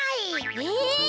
え？